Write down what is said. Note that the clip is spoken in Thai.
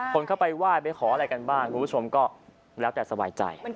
คนเข้าไปไหว้ไปขออะไรกันบ้างคุณผู้ชมก็แล้วแต่สบายใจ